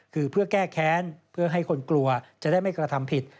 คือเพื่อแก้แค้นเพื่อให้คนกลัวจะได้ไม่กระทำผิด